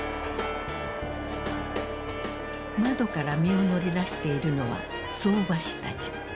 窓から身を乗り出しているのは相場師たち。